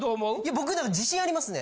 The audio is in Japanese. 僕自信ありますね。